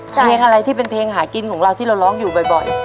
เพลงอะไรที่เป็นเพลงหากินของเราที่เราร้องอยู่บ่อย